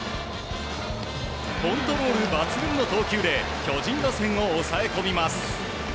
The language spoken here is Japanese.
コントロール抜群の投球で巨人打線を抑え込みます。